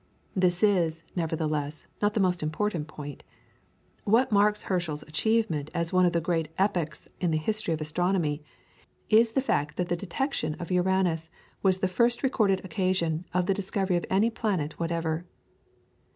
This is, nevertheless, not the most important point. What marks Herschel's achievement as one of the great epochs in the history of astronomy is the fact that the detection of Uranus was the very first recorded occasion of the discovery of any planet whatever.